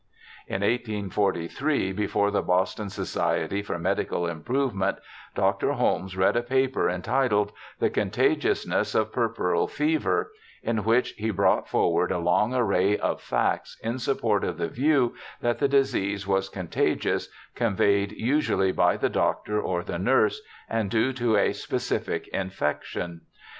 In 1843, before the Boston Society for Medical Im provement, Dr. Holmes read a paper entitled 'The Contagiousness of Puerperal Fever', in which he brought forward a long array of facts in support of the view that the disease was contagious, conveyed usually by the doctor or the nurse, and due to a specific infection.